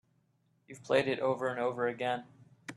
You've played it over and over again.